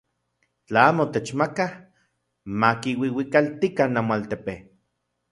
Tla amo techmakaj, makiuiuikaltikan namoaltepe.